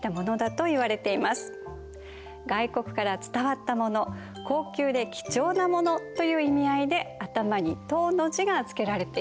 外国から伝わったもの高級で貴重なものという意味合いで頭に「唐」の字が付けられているんですね。